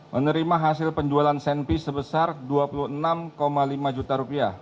menerima hasil penjualan senpi sebesar rp dua puluh enam lima juta